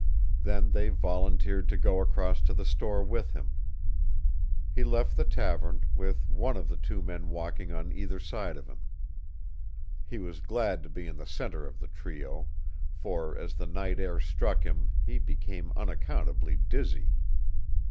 Then they volunteered to go across to the store with him. He left the tavern, with one of the two walking on either side of him. He was glad to be in the center of the trio; for, as the night air struck him, he became unaccountably dizzy.